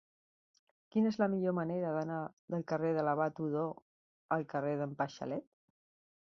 Quina és la millor manera d'anar del carrer de l'Abat Odó al carrer d'en Paixalet?